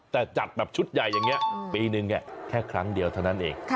แต่จัดแบบชุดใหญ่อย่างนี้ปีหนึ่งแค่ครั้งเดียวเท่านั้นเอง